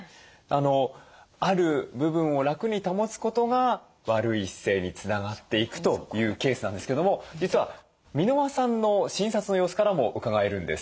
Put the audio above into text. ある部分を楽に保つことが悪い姿勢につながっていくというケースなんですけども実は箕輪さんの診察の様子からもうかがえるんです。